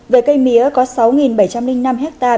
về cây mía có sáu bảy trăm linh năm ha